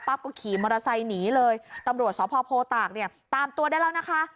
ก็ขี่มอเตอร์ไซค์หนีเลยตำรวจสพโพตากเนี่ยตามตัวได้แล้วนะคะ